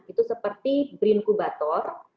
itu seperti brin kubator